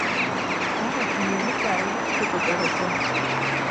Арахә неилыҵ-ааилыҵқәеит атәаразы.